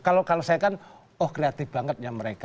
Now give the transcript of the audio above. kalau saya kan oh kreatif banget ya mereka